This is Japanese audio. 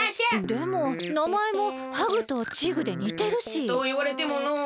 でもなまえも「ハグ」と「チグ」でにてるし。といわれてものう。